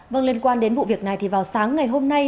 vâng liên quan đến vụ việc này thì vào sáng ngày hôm nay